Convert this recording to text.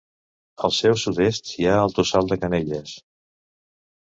Al seu sud-est hi ha el Tossal de Canelles.